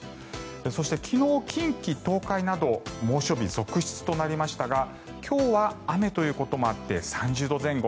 そして、昨日近畿・東海など猛暑日続出となりましたが今日は雨ということもあって３０度前後。